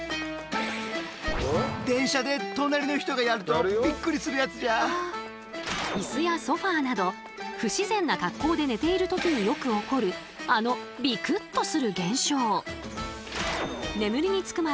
それでは椅子やソファーなど不自然な格好で寝ている時によく起こるあのビクッとする現象。